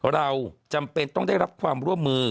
เราจำเป็นต้องได้รับความร่วมมือ